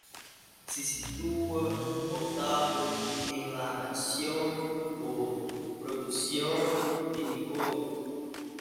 Se sitúa octavo en la nación por producción vinícola.